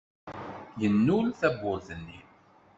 Yennul tawwurt-nni.